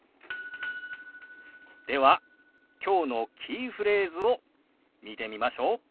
ではきょうのキーフレーズを見てみましょう。